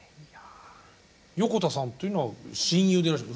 横田さんというのは親友でいらっしゃる？